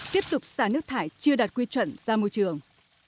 tiếp tục xả nước thải chưa đạt quy chuẩn ra môi trường